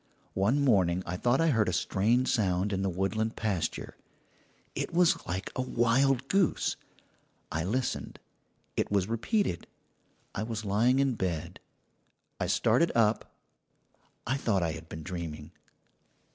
"One morning I thought I heard a strange sound in the woodland pasture. It was like a wild goose. I listened; it was repeated. I was lying in bed. I started up I thought I had been dreaming.